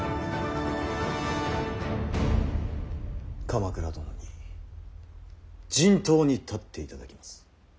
鎌倉殿に陣頭に立っていただきます。